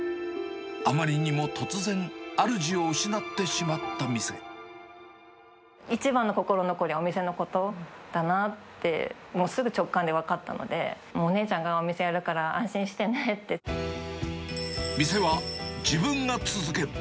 あまりにも突然、一番の心残りは、お店のことだなって、もうすぐ直感で分かったので、もうお姉ちゃんがお店やるから安店は自分が続ける。